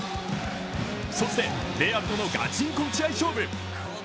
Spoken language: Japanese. そして、レアルとのガチンコ打ち合い勝負。